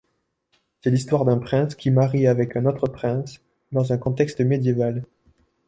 C'est l'histoire d'un prince qui marie avec un autre prince dans un contexte médiéval.